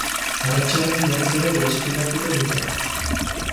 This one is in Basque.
Arratsaldean berriz ere desfilatuko dute.